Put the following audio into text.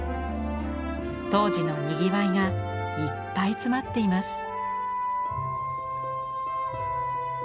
当時のにぎわいがいっぱい詰まっています。